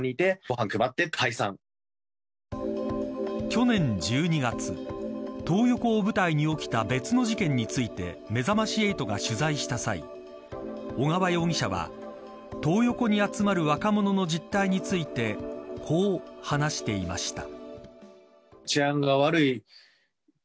去年１２月トー横を舞台に起きた別の事件についてめざまし８が取材した際小川容疑者はトー横に集まる若者の実態についてこう話していました。